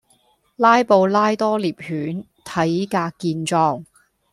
拉布拉多獵犬體格健壯